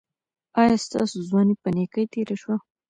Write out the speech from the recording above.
ایا ستاسو ځواني په نیکۍ تیره شوه؟